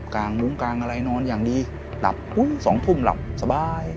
กางมุ้งกางอะไรนอนอย่างดีหลับอุ้ยสองทุ่มหลับสบาย